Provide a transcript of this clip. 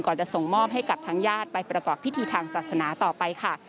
จะส่งมอบให้กับทางญาติไปประกอบพิธีทางศาสนาต่อไปค่ะ